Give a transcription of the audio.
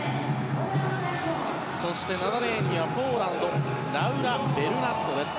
そして、７レーンにはポーランドラウラ・ベルナットです。